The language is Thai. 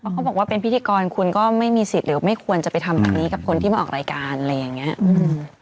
เขาบอกว่าเป็นพิธีกรคุณก็ไม่มีสิทธิ์หรือไม่ควรจะไปทำแบบนี้กับคนที่มาออกรายการอะไรอย่างเงี้ยอืม